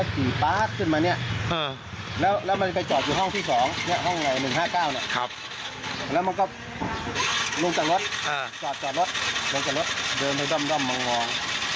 แต่ว่ามันเหมือน